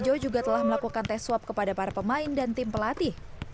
jo juga telah melakukan tes swab kepada para pemain dan tim pelatih